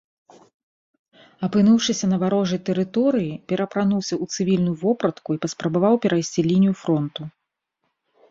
Апынуўшыся на варожай тэрыторыі, пераапрануўся ў цывільную вопратку і паспрабаваў перайсці лінію фронту.